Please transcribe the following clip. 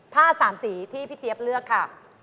ผ้าสามสีที่พี่เจี๊ยบเลือกค่ะ